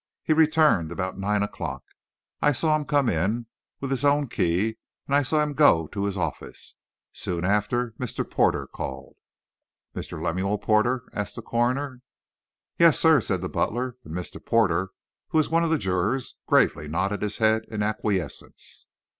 He returned about nine o'clock. I saw him come in, with his own key, and I saw him go to his office. Soon after Mr. Porter called." "Mr. Lemuel Porter?" asked the coroner. "Yes, sir," said the butler; and Mr. Porter, who was one of the jurors, gravely nodded his head in acquiescence.